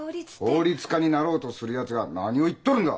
法律家になろうとするやつが何を言っとるんだ！